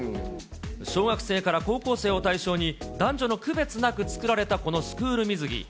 小学生から高校生を対象に男女の区別なく作られたこのスクール水着。